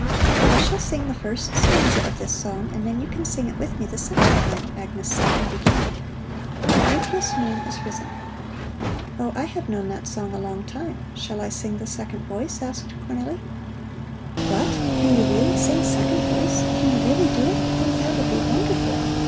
"I shall sing the first stanza of this song and then you can sing it with me the second time," Agnes said and began: "The beauteous moon is risen." "Oh, I have known that song a long time. Shall I sing the second voice?" asked Cornelli. "What? Can you really sing second voice? Can you really do it? Oh, that would be wonderful!